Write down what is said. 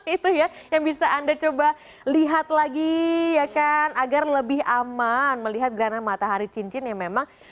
itu ya yang bisa anda coba lihat lagi ya kan agar lebih aman melihat gerhana matahari cincin yang memang